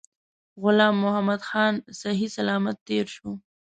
غلام محمدخان صحی سلامت تېر شو.